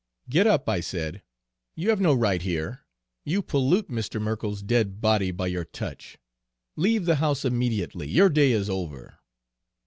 "'Get up,' I said. 'You have no right here. You pollute Mr. Merkell's dead body by your touch. Leave the house immediately, your day is over!'